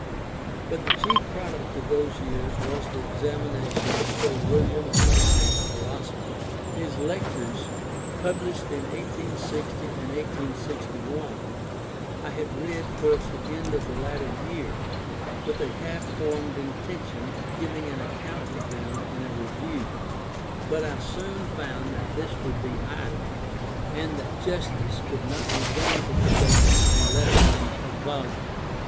But the chief product of those years was the Examination of Sir William Hamilton's Philosophy. His Lectures, published in 1860 and 1861, I had read towards the end of the latter year, with a half formed intention of giving an account of them in a Review, but I soon found that this would be idle, and that justice could not be done to the subject in less than a volume.